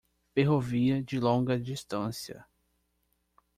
Ferrovia de longa distância